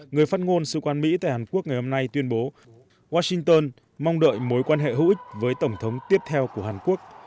người phát ngôn sứ quan mỹ tại hàn quốc ngày hôm nay tuyên bố washington mong đợi mối quan hệ hữu ích với tổng thống tiếp theo của hàn quốc